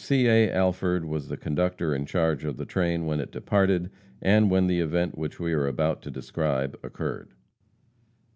C. A. Alford was the conductor in charge of the train when it departed, and when the event which we are about to describe occurred.